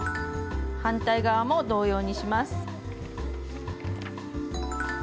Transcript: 反対側も同様にします。